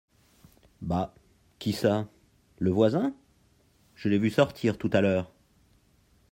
Bah ! qui ça ? le voisin ? je l'ai vu sortir tout à l'heure.